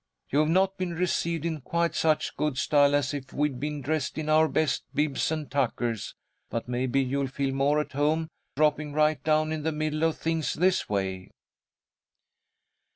You've not been received in quite such good style as if we'd been dressed in our best bibs and tuckers, but maybe you'll feel more at home, dropping right down in the middle of things this way."